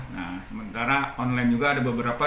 nah sementara online juga ada beberapa